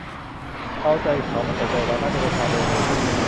"เอาใจเขามาใส่ใจเรา" น่าจะเป็นทางเดินหนึ่ง